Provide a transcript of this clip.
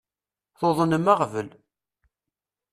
Tuḍnem aɣbel?